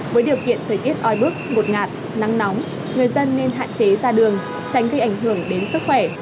với điều kiện thời tiết oi bức ngột ngạt nắng nóng người dân nên hạn chế ra đường tránh gây ảnh hưởng đến sức khỏe